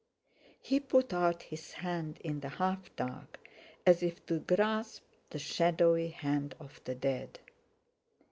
He put out his hand in the half dark, as if to grasp the shadowy hand of the dead.